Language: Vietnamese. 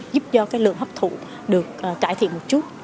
giúp do lượng hấp thụ được cải thiện một chút